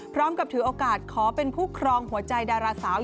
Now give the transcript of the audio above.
พร้อมกับถือโอกาสขอเป็นผู้ครองหัวใจดาราสาว